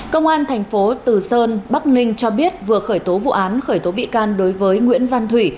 công an thành phố từ sơn bắc ninh cho biết vừa khởi tố vụ án khởi tố bị can đối với nguyễn văn thủy